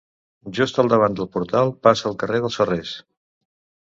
Just al davant del portal passa el carrer dels Ferrers.